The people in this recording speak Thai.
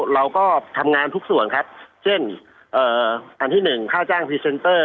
เราก็ทำงานทุกส่วนครับเช่นอันที่๑ค่าจ้างพรีเซนเตอร์